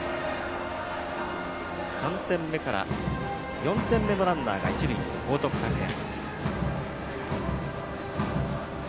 ３点目から４点目のランナーが一塁にいる報徳学園。